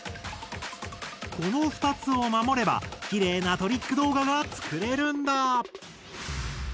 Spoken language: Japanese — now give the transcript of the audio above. この２つを守ればきれいなトリック動画が作れるんだ。